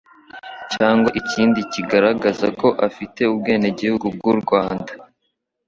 cyangwa ikindi kigaragaza ko afite ubwenegihugu bw'u Rwanda,